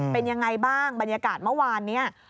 เป็นยังไงบ้างบรรยากาศเมื่อวานนี้